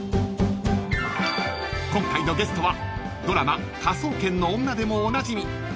［今回のゲストはドラマ『科捜研の女』でもおなじみ］